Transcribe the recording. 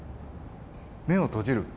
目を閉じる。